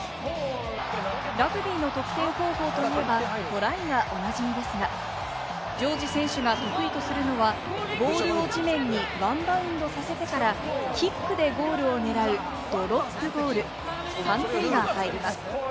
ラグビーの得点方法といえば、トライがおなじみですが、ジョージ選手が得意とするのは、ボールを地面にワンバウンドさせてからキックでゴールを狙うドロップゴール、３点が入ります。